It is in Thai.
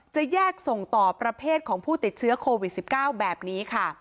จะแยกส่งต่อประเภทของผู้ติดเชื้อโควิด๑๙แบบนี้ค่ะ